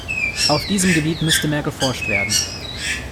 Auf diesem Gebiet müsste mehr geforscht werden.